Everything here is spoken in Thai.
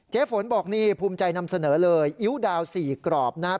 เจฝนบอกนี่ภูมิใจนำเสนอเลยอิ๊วดาวสี่กรอบนะ